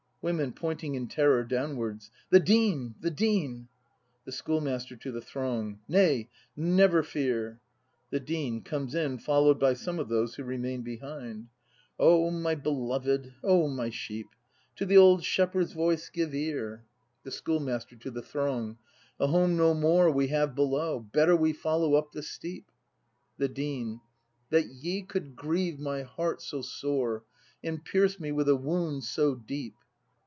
Women. [Pointing in terror downwards.] The Dean! The Dean! The Schoolmaster. [To the throng.] Nay, never fear! The Dean. [Comes in, followed by some of those who remained behind.] O my beloved! O my sheep! To the old shepherd's voice give ear' ACT V] BRAND 273 The Schoolmaster. [To the throng.] A home no more we have below; Better we follow up the steep! The Dean. That ye could grieve my heart so sore. And pierce me with a wound so deep!